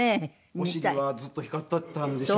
お尻はずっと光っていたんでしょう。